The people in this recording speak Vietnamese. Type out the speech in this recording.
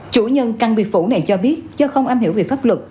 chủ nhân căng biệt phủ này cho biết do không âm hiểu về pháp luật